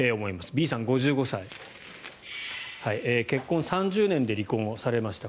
Ｂさん、５５歳結婚３０年で離婚されました。